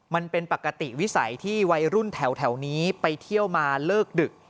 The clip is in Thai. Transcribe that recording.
มันเป็นปกติวิสัยที่วัยรุ่นแถวนี้ไปเที่ยวมาเลิกดึก